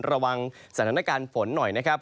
ระวังสถานการณ์ฝนหน่อยนะครับ